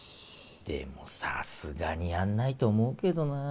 でもさすがにやんないと思うけどなぁ。